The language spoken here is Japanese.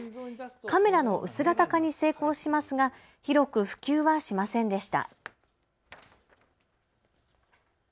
カメラの薄型化に成功しますが広く普及はしませんでした。